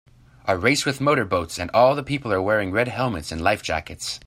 A race with motor boats and all the people are wearing red helmets and life jackets.